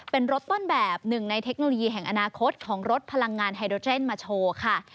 เป็นรถต้นแบบหนึ่งในเทคโนโลยีแห่งอนาคตของรถพลังงานไฮโดเทรนด์มาโชว์ค่ะ